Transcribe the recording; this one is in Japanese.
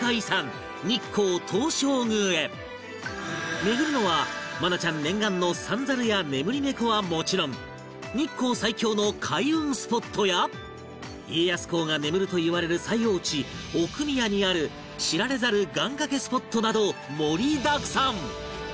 巡るのは愛菜ちゃん念願の三猿や眠り猫はもちろん日光最強の開運スポットや家康公が眠るといわれる最奥地奥宮にある知られざる願掛けスポットなど盛りだくさん！